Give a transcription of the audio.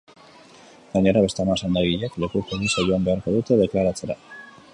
Gainera, beste hamar sendagilek lekuko gisa joan beharko dute deklaratzera.